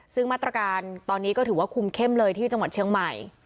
ซึ่งมาตรการตอนนี้ก็ถือว่าคุมเข้มเลยที่จังหวัดเชียงใหม่